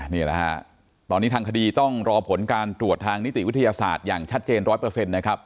นี่แหละค่ะตอนนี้ทางคดีต้องรอผลการตรวจทางนิติวิทยาศาสตร์อย่างชัดเจน๑๐๐นะครับ